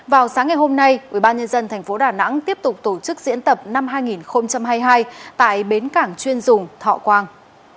vào sáng ngày hôm nay ubnd tp đà nẵng tiếp tục tổ chức diễn tập năm hai nghìn hai mươi hai tại bến cảng chuyên dùng thọ quang